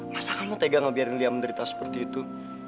masa kamu tega ngebiarin dia menderita seperti itu